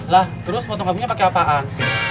lah terus potong kambingnya pakai apaan